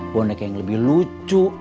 boneka yang lebih lucu